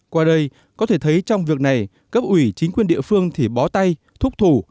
qua đây có thể thấy trong việc này cấp ủy chính quyền địa phương thì bó tay thúc thủ